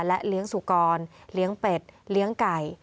และเลี้ยงสุกรเลี้ยงเป็ดเลี้ยงไก่